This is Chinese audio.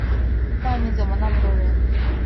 外面怎么那么多人？